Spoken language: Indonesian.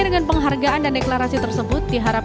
selain itu jember juga tidak ada lagi kekerasan pada anak